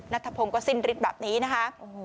นัทธพงค์ก็สิ้นริดแบบนี้นะคะ